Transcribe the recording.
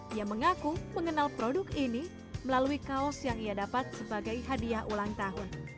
dia mengaku mengenal produk ini melalui kaos yang ia dapat sebagai hadiah ulang tahun